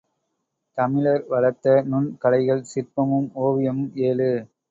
தமிழர் வளர்த்த நுண் கலைகள் சிற்பமும் ஓவியமும் ஏழு.